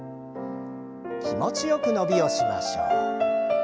気持ちよく伸びをしましょう。